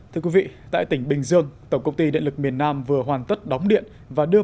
thưa quý vị tại tỉnh bình dương tổng công ty điện lực miền nam vừa hoàn tất đóng điện và đưa